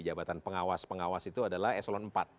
jabatan pengawas pengawas itu adalah eselon empat